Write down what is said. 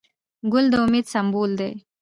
ګل د امید سمبول دی.